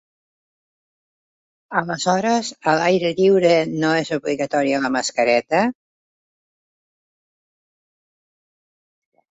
Aleshores a l'aire lliure no és obligatòria la mascareta?